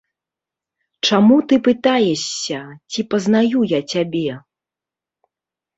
Чаму ты пытаешся, ці пазнаю я цябе?